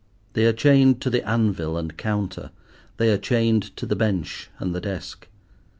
They are chained to the anvil and counter; they are chained to the bench and the desk.